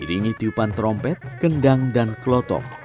diringi tiupan trompet kendang dan klotok